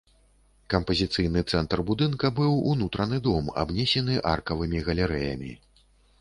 Кампазіцыйны цэнтр будынка быў унутраны дом, абнесены аркавымі галерэямі.